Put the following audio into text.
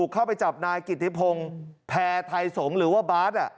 เข้าไปจับนายกิติพงศ์แพรไทยสงฆ์หรือว่าบาร์ด